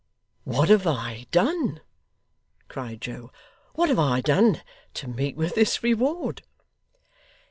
'What have I done,' cried Joe, 'what have I done to meet with this reward?